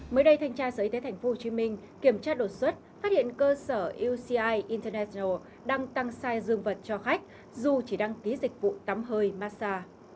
mới đây thanh tra sở y tế tp hcm kiểm tra đột xuất phát hiện cơ sở uci internetal đang tăng sai dương vật cho khách dù chỉ đăng ký dịch vụ tắm hơi massage